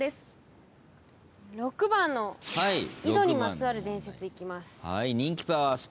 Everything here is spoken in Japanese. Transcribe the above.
６番の井戸にまつわる伝説いきます。